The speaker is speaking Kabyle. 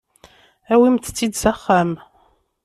Awimt-tt-id s axxam.